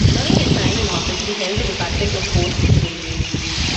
During his time in office he held the Department of Posts and Railways.